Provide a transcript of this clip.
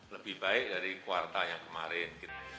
lebih baik dari kuartanya kemarin